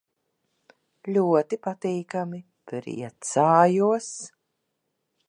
Ļoti patīkami. Priecājos.